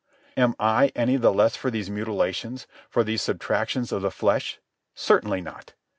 Am I any the less for these mutilations, for these subtractions of the flesh? Certainly not.